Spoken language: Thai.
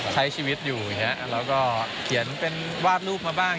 ใช้ชีวิตอยู่อย่างเงี้ยแล้วก็เขียนเป็นวาดรูปมาบ้าง